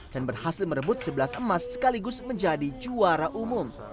dan berhasil merebut sebelas emas sekaligus menjadi juara umum